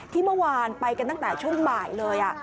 ที่เมื่อวานไปกันตั้งแต่ช่วงบ่ายเลย